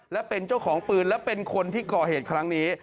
และเป็นเจ้าของปืนและเป็นคนที่ก่อเหตุครั้งนี้